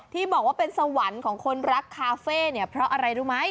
ที่บอกว่าเป็นสวรรค์ของคนรักคาเฟ่เนี่ยเพราะอะไรรู้ไหม